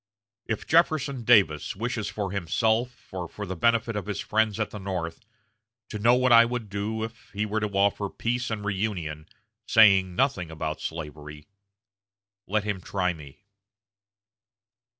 If Jefferson Davis wishes for himself, or for the benefit of his friends at the North, to know what I would do if he were to offer peace and reunion, saying nothing about slavery, let him try me."